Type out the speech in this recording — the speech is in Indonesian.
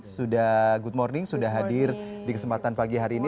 sudah good morning sudah hadir di kesempatan pagi hari ini